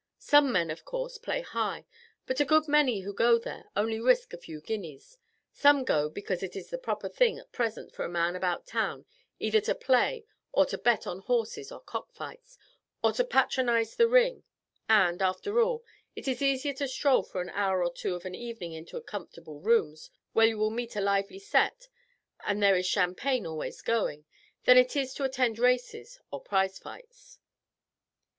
Some men, of course, play high, but a good many who go there only risk a few guineas; some go because it is the proper thing at present for a man about town either to play or to bet on horses or cock fights, or to patronize the ring; and, after all, it is easier to stroll for an hour or two of an evening into comfortable rooms, where you meet a lively set and there is champagne always going, than it is to attend races or prize fights."